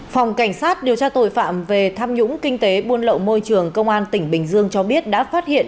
phòng cảnh sát điều tra tội phạm về tham nhũng kinh tế buôn lậu môi trường công an tỉnh bình dương cho biết đã phát hiện